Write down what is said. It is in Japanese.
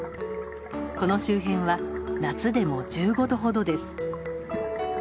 この周辺は夏でも１５度ほどです。